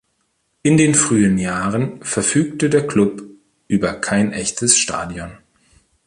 In den frühen Jahren verfügte der Klub über kein echtes Stadion.